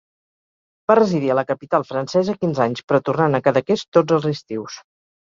Va residir a la capital francesa quinze anys, però tornant a Cadaqués tots els estius.